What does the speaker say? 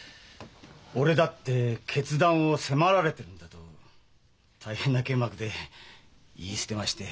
「俺だって決断を迫られてるんだ」と大変な剣幕で言い捨てまして。